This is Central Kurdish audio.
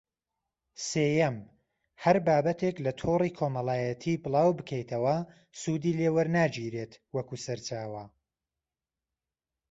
سێیەم: هەر بابەتێک لە تۆڕی کۆمەڵایەتی بڵاوبکەیتەوە، سوودی لێ وەرناگیرێت وەکو سەرچاوە